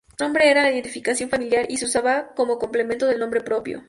Su nombre era la identificación familiar y se usaba como complemento del nombre propio.